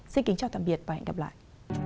xin kính chào tạm biệt và hẹn gặp lại